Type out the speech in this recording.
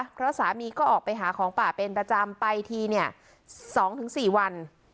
เพราะสามีก็ออกไปหาของป่าเป็นประจำไปทีเนี่ย๒๔วัน